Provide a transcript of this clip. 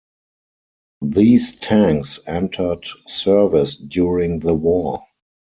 These tanks entered service during the war.